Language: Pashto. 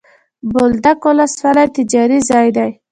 بولدک ولسوالي تجارتي ځای دی.